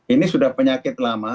ini sudah penyakit lama